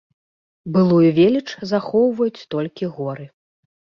Былую веліч захоўваюць толькі горы.